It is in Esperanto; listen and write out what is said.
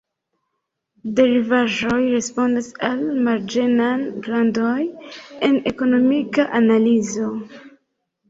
Derivaĵoj respondas al marĝenaj grandoj en ekonomika analizo.